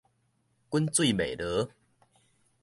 滾水袂濁